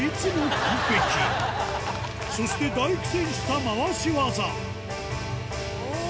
そして大苦戦した回し技おぉ！